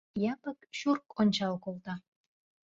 Япык чурк ончал колта.